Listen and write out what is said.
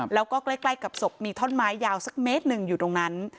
แล้วก็ใกล้กับศพมีท่อนไม้ยาวสักเมตรหนึ่งอยู่ตรงนั้น